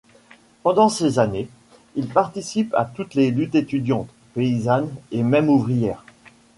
Pendant ces années, il participe à toutes les luttes étudiantes, paysannes et même ouvrières.